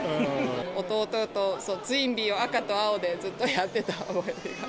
弟とツインビーを赤と青でずっとやってた思い出が。